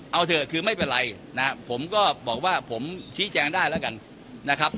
เอาเถอะคือไม่เป็นไรนะ